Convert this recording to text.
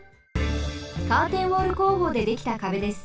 カーテンウォール工法でできた壁です。